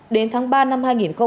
đến tháng ba năm hai nghìn hai mươi